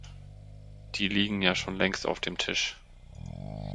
Die liegen ja schon längst auf dem Tisch!